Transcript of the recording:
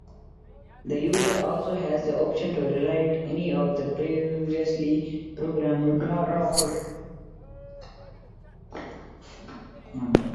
The user also has the option to rewrite any of the previously programmed graphs.